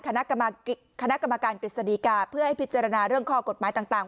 คณะกรรมการกฤษฎีกาเพื่อให้พิจารณาเรื่องข้อกฎหมายต่าง